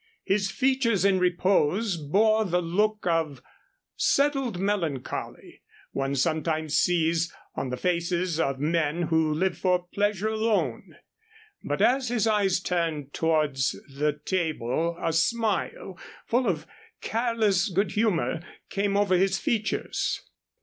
His features in repose bore the look of settled melancholy one sometimes sees on the faces of men who live for pleasure alone. But as his eyes turned towards the table a smile, full of careless good humor, came over his features.